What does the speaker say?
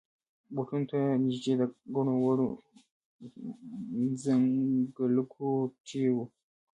بوټو ته نږدې د ګڼو ونو ځنګلګوټی و.